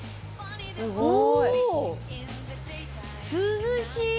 涼しい！